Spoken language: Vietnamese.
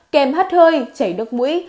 kèm hắt hơi chảy nước mũi